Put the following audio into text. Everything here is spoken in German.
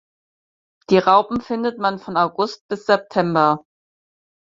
Die Raupen findet man von August bis September.